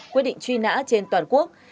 quyết định truy nã trên toàn quốc